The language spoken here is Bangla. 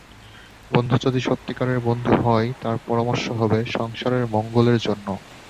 বন্ধু যদি সত্যিকারের বন্ধু হয়, তার পরামর্শ হবে সংসারের মঙ্গলের জন্য।